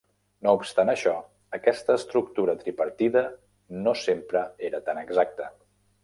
No obstant això, aquesta estructura tripartida no sempre era tan exacta.